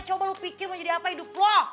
coba lo pikir mau jadi apa hidup lo